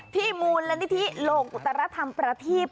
ที่มูลและที่ที่โลกอุตรธรรมประทีพ